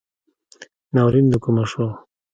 ناورین دکومه شو